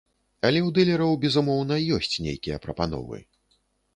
Але ў дылераў, безумоўна, ёсць нейкія прапановы.